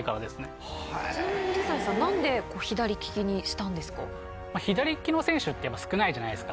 水谷さん何で左利きにしたんですか？